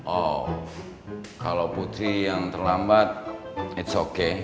oh kalau putri yang terlambat it's okay